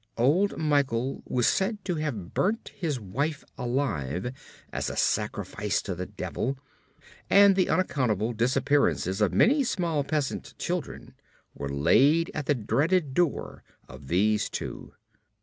Old Michel was said to have burnt his wife alive as a sacrifice to the Devil, and the unaccountable disappearances of many small peasant children were laid at the dreaded door of these two.